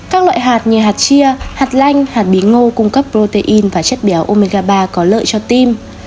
các loại hạt như hạt chia hạt lanh hạt bí ngô cung cấp protein và chất béo omega ba có lợi cho tim